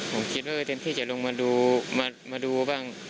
ผมคิดว่าเต็มที่จะลงมาดูมาดูบ้าง